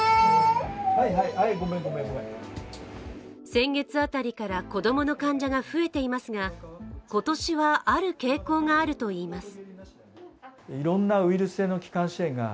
先月辺りから子供の患者が増えていますが、今年は、ある傾向があるといいます